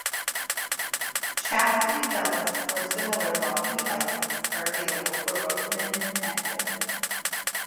Chastity belts or similar locking devices are available for both men and women.